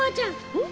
うん？